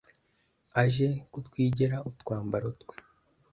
Aje kutwigera utwambaro twe